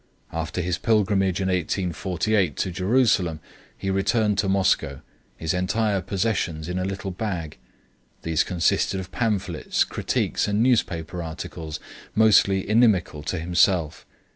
After his pilgrimage in 1848 to Jerusalem, he returned to Moscow, his entire possessions in a little bag; these consisted of pamphlets, critiques, and newspaper articles mostly inimical to himself.